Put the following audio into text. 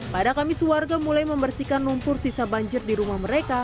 pada kamis warga mulai membersihkan lumpur sisa banjir di rumah mereka